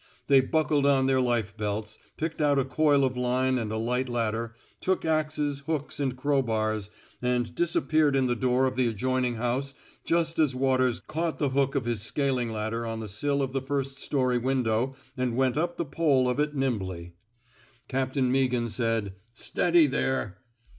They buckled on their life belts, picked out a coil of line and a light ladder, took axes, hooks, and crowbars, and disappeared in the door of the adjoining house just as Waters caught the hook of his scaling ladder on the sill of the first story window and went up the pole of it nimbly. Captain Meaghan said, Steady, there."